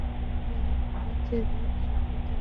না, নিজে চোখে দেখেছি।